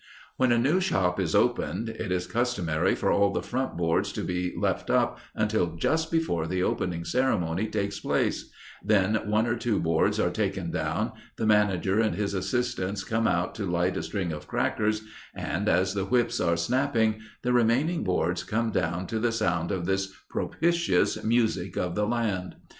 When a new shop is opened, it is customary for all the front boards to be left up until just before the opening ceremony takes place; then one or two boards are taken down, the manager and his assistants come out to light a string of crackers, and, as the whips are snapping, the remaining boards come down to the sound of this propitious music of the land.